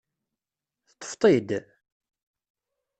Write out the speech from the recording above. Teṭṭfeḍ-t-id?